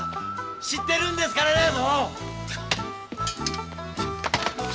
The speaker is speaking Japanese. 知ってるんですからねもう！